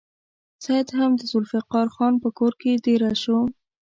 سید هم د ذوالفقار خان په کور کې دېره شو.